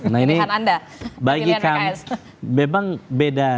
nah ini bagi kami memang beda